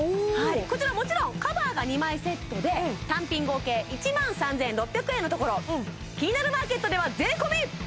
こちらもちろんカバーが２枚セットで単品合計１万３６００円のところ「キニナルマーケット」では税込安い！